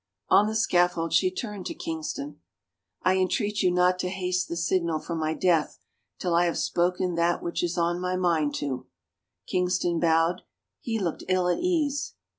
On the scaffold she turned to Kingston. " I entreat you not to haste the signal for my death till I have spoken that which is on my mind to." Kingston bowed. He looked ill at ease.